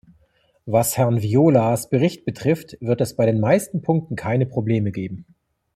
Was Herrn Violas Bericht betrifft, wird es bei den meisten Punkten keine Probleme geben.